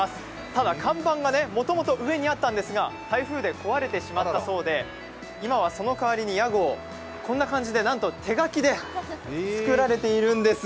ただ、看板がもともと上にあったんですが、台風で壊れてしまったそうで今はその代わりに屋号、こんな感じでなんと手書きで作られているんです。